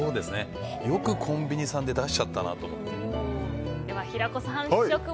よくコンビニさんで出しちゃったなって。